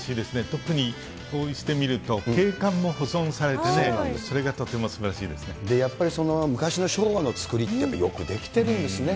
特にこうして見ると景観も保存されてね、それがとてもすばらしいやっぱり、その昔の昭和のつくりって、よく出来てるんですね。